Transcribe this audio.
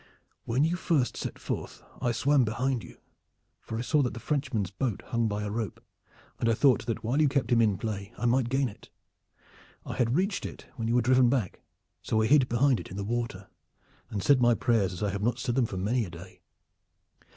"When you first set forth I swam behind you, for I saw that the Frenchman's boat hung by a rope, and I thought that while you kept him in play I might gain it. I had reached it when you were driven back, so I hid behind it in the water and said my prayers as I have not said them for many a day.